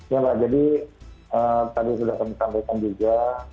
ya mbak jadi tadi sudah saya tambahkan juga